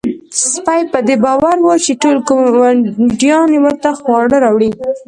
سپی په دې باور و چې ټول ګاونډیان ورته خواړه راوړي.